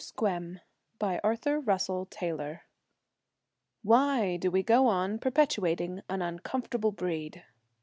SQUEM BY ARTHUR RUSSELL TAYLOR 'Why do we go on perpetuating an uncomfortable breed?'